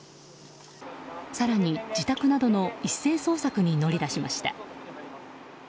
更に自宅などの一斉捜索に乗り出しました。